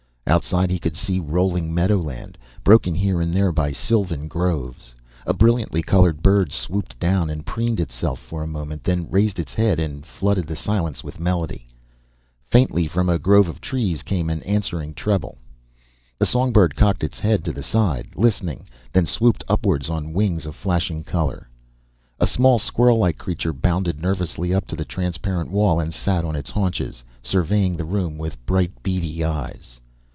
Outside he could see green rolling meadowland, broken here and there by sylvan groves. A brilliantly colored bird swooped down and preened itself for a moment, then raised its head and flooded the silence with melody. Faintly from a grove of trees came an answering treble. The songbird cocked its head to the side, listening, then swooped upward on wings of flashing color. A small squirrellike creature bounded nervously up to the transparent wall and sat on its haunches, surveying the room with bright beady eyes.